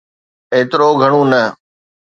ايترو گھڻو نه.